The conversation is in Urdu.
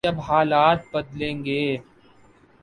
جب حالات بدلیں گے۔